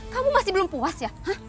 kamu masih belum puas ya